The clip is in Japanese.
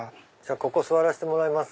ここ座らせてもらいます。